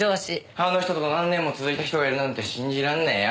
あの人と何年も続いた人がいるなんて信じらんねえよ。